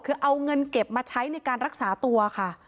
คือเอาเงินเก็บมาใช้ในการรักษาตัวค่ะ